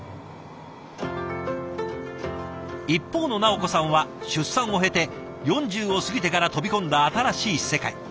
一方の直子さんは出産を経て４０を過ぎてから飛び込んだ新しい世界。